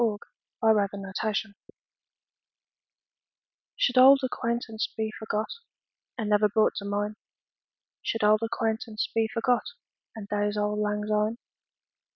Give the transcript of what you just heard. Auld Lang Syne SHOULD auld acquaintance be forgot, And never brought to min'? Should auld acquaintance be forgot, And days o' lang syne?